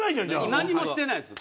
何もしてないんですよ。